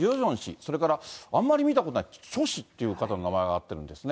それからあんまり見たことない、チョ氏という方の名前が挙がってるんですね。